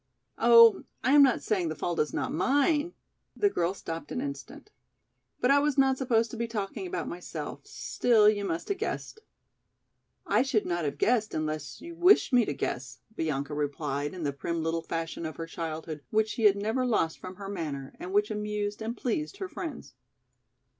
Oh, I am not saying the fault is not mine—" The girl stopped an instant. "But I was not supposed to be talking about myself, still you must have guessed." "I should not have guessed unless you wished me to guess," Bianca replied in the prim little fashion of her childhood which she had never lost from her manner and which amused and pleased her friends.